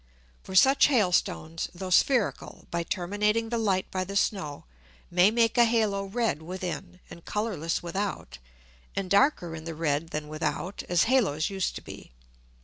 For such Hail stones, though spherical, by terminating the Light by the Snow, may make a Halo red within and colourless without, and darker in the red than without, as Halos used to be.